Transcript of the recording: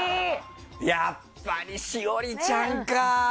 やっぱり栞里ちゃんか。